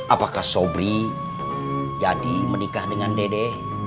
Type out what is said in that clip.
apakah sobri jadi menikah dengan dede